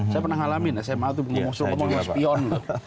saya pernah ngalamin sma itu saya mau suruh ngomongin spion